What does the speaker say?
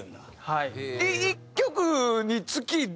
はい。